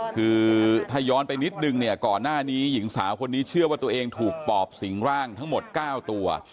คือถ้าย้อนไปนิดนึงเนี่ยก่อนหน้านี้หญิงสาวคนนี้เชื่อว่าตัวเองถูกปอบสิงร่างทั้งหมด๙ตัว